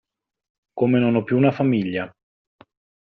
Come non ho più una famiglia.